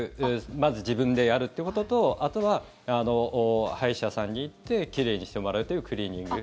まず自分でやるということとあとは歯医者さんに行って奇麗にしてもらうというクリーニング。